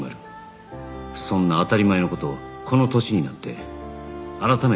そんな当たり前の事をこの年になって改めて学んだ